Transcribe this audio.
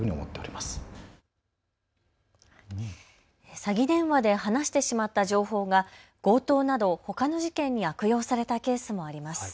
詐欺電話で話してしまった情報が強盗などほかの事件に悪用されたケースもあります。